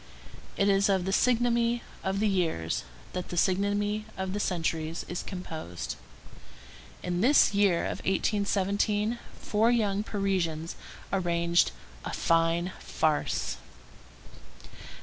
It is of the physiognomy of the years that the physiognomy of the centuries is composed. In this year of 1817 four young Parisians arranged "a fine farce."